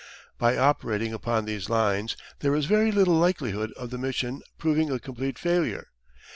By operating upon these lines there is very little likelihood of the mission proving a complete failure.